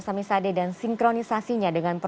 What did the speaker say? sehat sehat terus ya semuanya